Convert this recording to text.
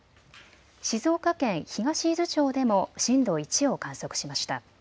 静岡県東伊豆町でも震度１を観測しました。